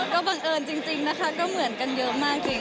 ก็บังเอิญจริงนะคะก็เหมือนกันเยอะมากจริง